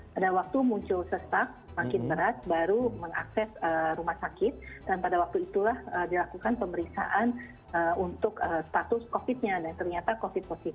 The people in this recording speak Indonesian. pada waktu muncul sesak makin berat baru mengakses rumah sakit dan pada waktu itulah dilakukan pemeriksaan untuk status covid nya dan ternyata covid positif